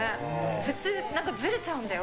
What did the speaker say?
普通、ずれちゃうんだよ。